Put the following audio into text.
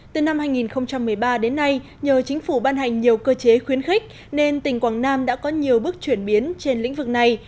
từ năm hai nghìn một mươi ba đến nay nhờ chính phủ ban hành nhiều cơ chế khuyến khích nên tỉnh quảng nam đã có nhiều bước chuyển biến trên lĩnh vực này